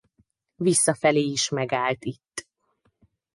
Visszafelé is megállt itt.